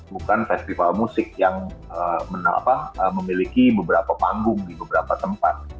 bukan festival musik yang memiliki beberapa panggung di beberapa tempat